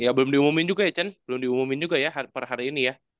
ya belum diumumin juga ya chan belum diumumin juga ya per hari ini ya